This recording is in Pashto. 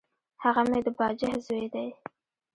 هغه مي د باجه زوی دی .